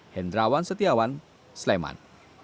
hendrawan setiawan sleman